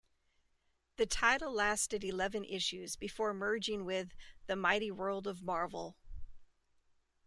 The title lasted eleven issues before merging with "The Mighty World of Marvel".